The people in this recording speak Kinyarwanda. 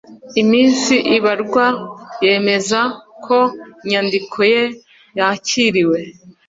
iminsi ibarwa yemeza ko inyandiko ye yakiriwe